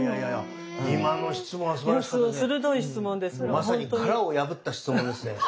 まさに殻を破った質問ですね。